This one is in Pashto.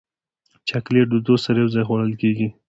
چاکلېټ له دوست سره یو ځای خوړل کېږي.